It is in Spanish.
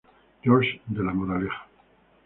George's de La Moraleja.